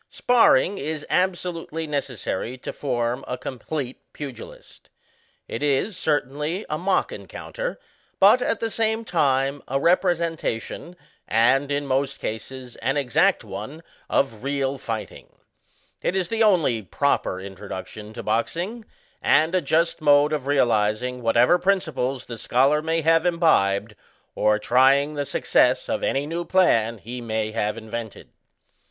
Sparring is absolutely necessary to form a com plete pugilist. It is, certainly, a mock encounter; but, at the same time, a representation, and, in most cases, an exact one, of real fighting. It is the only proper introduction to boxing, and a just mode of realizing whatever prinpiples the scholar may have imbibed, or trying the success of any new plan he may have invented.